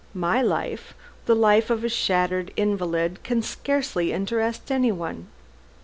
My life the life of a shattered invalid can scarcely interest anyone."